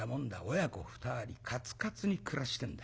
親子２人かつかつに暮らしてんだ。